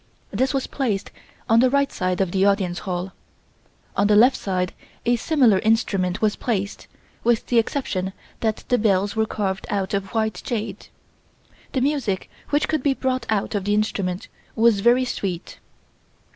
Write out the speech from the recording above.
This was placed on the right side of the Audience Hall. On the left side a similar instrument was placed, with the exception that the bells were carved out of white jade. The music which could be brought out of the instrument was very sweet.